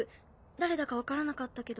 誰だか分からなかったけど。